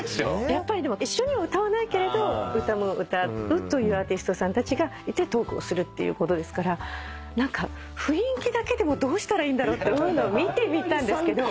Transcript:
やっぱり一緒には歌わないけれど歌も歌うというアーティストさんたちがいてトークをするっていうことですから何か雰囲気だけでもどうしたらいいんだろうって見てみたんですけど。